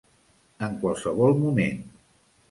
En qualsevol moment.